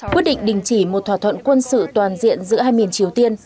quyết định đình chỉ một thỏa thuận quân sự toàn diện giữa hai miền triều tiên